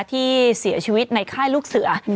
ที่เสียชีวิตในค่ายลูกเสือ